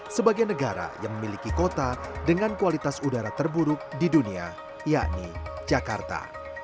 sebagai negara yang memiliki kota dengan kualitas udara terburuk di dunia yakni jakarta